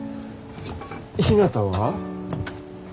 ひなたは？